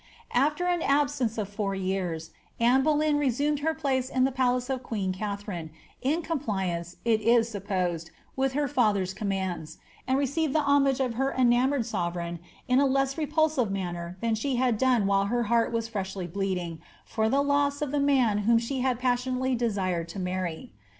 After an absence of four years, Anne Boleyn resumed her place in the palace of queen Katharine, in compliance, it is supposed, with her Other's commands, and received the homage of her enamoured sovereign in a less repulsive manner than she had done while her heart was freshly bleeding for the loss of the man whom she had passionately desired to marry.